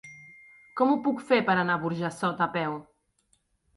Com ho puc fer per anar a Burjassot a peu?